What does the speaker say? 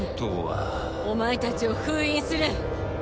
お前たちを封印する。